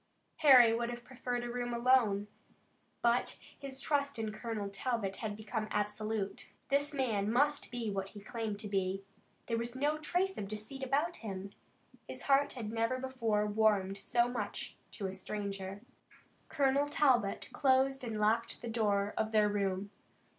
Harry would have preferred a room alone, but his trust in Colonel Talbot had already become absolute. This man must be what he claimed to be. There was no trace of deceit about him. His heart had never before warmed so much to a stranger. Colonel Talbot closed and locked the door of their room.